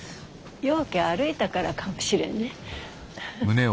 ようけ歩いたからかもしれんね。